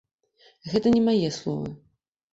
Гэта не мае словы.